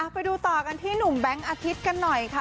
ไปดูต่อกันที่หนุ่มแบงค์อาทิตย์กันหน่อยค่ะ